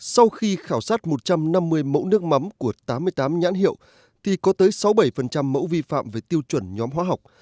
sau khi khảo sát một trăm năm mươi mẫu nước mắm của tám mươi tám nhãn hiệu thì có tới sáu mươi bảy mẫu vi phạm về tiêu chuẩn nhóm hóa học